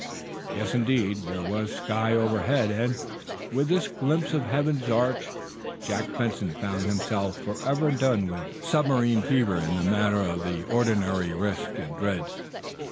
Yes, indeed; there was the sky overhead. And, with this glimpse of heaven's arch Jack Benson found himself forever done with submarine fever in the matter of the ordinary risk and dreads.